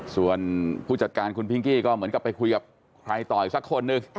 ส่วนผู้จัดการคุณพิงกี้ก็เหมือนกับไปคุยกับใครต่ออีกสักคนหนึ่ง